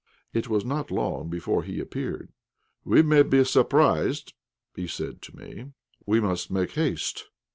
It was not long before he appeared. "We may be surprised," he said to me; "we must make haste."